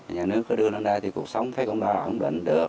nhà nước cứ đưa lên đây thì cuộc sống phải công đoàn là ổn định được